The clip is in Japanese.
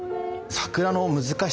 桜の難しさ